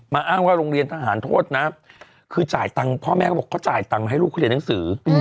อ้างว่าโรงเรียนทหารโทษนะคือจ่ายตังค์พ่อแม่ก็บอกเขาจ่ายตังค์ให้ลูกเขาเรียนหนังสือ